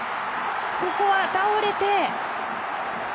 ここは倒れて。